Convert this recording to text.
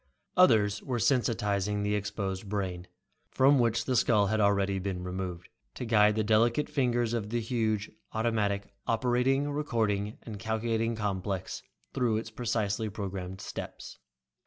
Others were sensitizing the exposed brain, from which the skull had already been removed, to guide the delicate fingers of the huge automatic Operating, Recording and Calculating Complex through its precisely programmed steps.